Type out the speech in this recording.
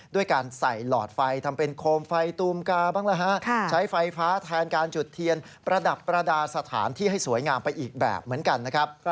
ด้วยการใส่หลอดไฟทำเป็นโคมไฟตูมกาบ้างละฮะใช้ไฟฟ้าแทนการจุดเทียนประดับประดาษสถานที่ให้สวยงามไปอีกแบบเหมือนกันนะครับ